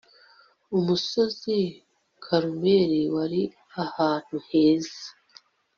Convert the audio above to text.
umusozi Karumeli wari ahantu heza